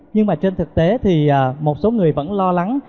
nhưng mà trên thực tế thì một số người vẫn lo lắng